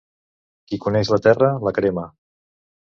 Qui coneix la terra, la crema.